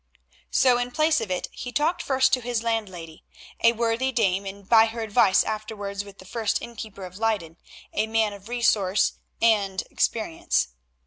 So in place of it he talked first to his landlady, a worthy dame, and by her advice afterwards with the first innkeeper of Leyden, a man of resource and experience.